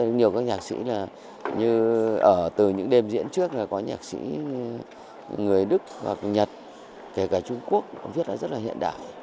nhiều các nhạc sĩ là như ở từ những đêm diễn trước là có nhạc sĩ người đức hoặc nhật kể cả trung quốc viết là rất là hiện đại